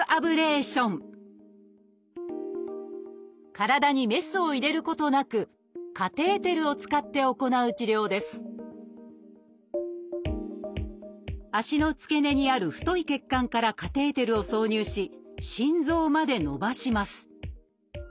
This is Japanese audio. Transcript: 体にメスを入れることなくカテーテルを使って行う治療です足の付け根にある太い血管からカテーテルを挿入し心臓まで延ばします。